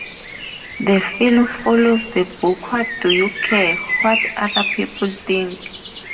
The film follows the book What Do You Care What Other People Think?